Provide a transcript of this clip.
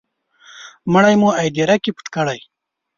مړی مو هدیره کي پټ کړی